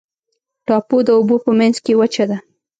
ټاپو د اوبو په منځ کې وچه ده.